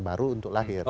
baru untuk lahir